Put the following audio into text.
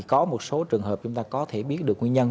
có một số trường hợp chúng ta có thể biết được nguyên nhân